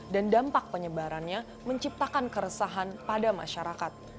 dan dampak penyebarannya menciptakan keresahan pada masyarakat